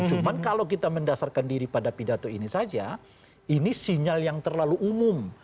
cuma kalau kita mendasarkan diri pada pidato ini saja ini sinyal yang terlalu umum